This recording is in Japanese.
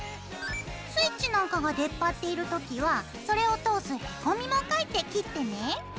スイッチなんかが出っ張っている時はそれを通すへこみも描いて切ってね。